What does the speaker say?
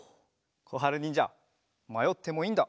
こはるにんじゃまよってもいいんだ。